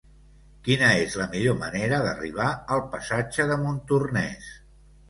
Quina és la millor manera d'arribar al passatge de Montornès?